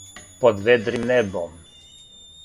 Под ведрим небом?